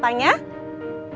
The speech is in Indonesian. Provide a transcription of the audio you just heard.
di sebelahnya ada rena bersama oma